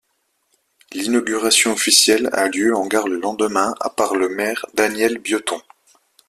L'inauguration officielle a lieu en gare le lendemain à par le maire Daniel Bioton.